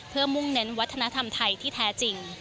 เพื่อมุ่งเน้นวัฒนธรรมไทยที่แท้จริง